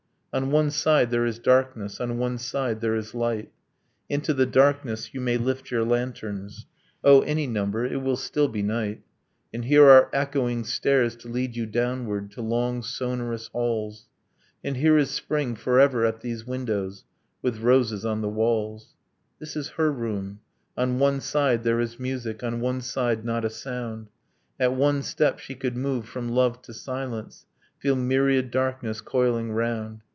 On one side there is darkness, On one side there is light. Into the darkness you may lift your lanterns O, any number it will still be night. And here are echoing stairs to lead you downward To long sonorous halls. And here is spring forever at these windows, With roses on the walls. This is her room. On one side there is music On one side not a sound. At one step she could move from love to silence, Feel myriad darkness coiling round.